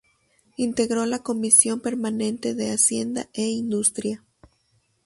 Integró la comisión permanente de Hacienda e Industria.